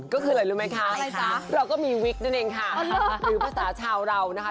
ก็คืออะไรรู้ไหมคะเราก็มีวิกนั่นเองค่ะหรือภาษาชาวเรานะคะ